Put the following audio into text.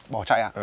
bỏ chạy à